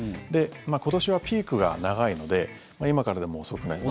今年はピークが長いので今からでも遅くないです。